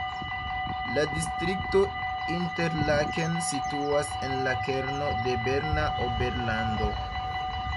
La distrikto Interlaken situas en la kerno de Berna Oberlando.